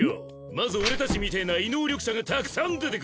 まず俺たちみてぇな異能力者がたくさん出てくる。